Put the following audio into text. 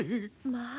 まあ。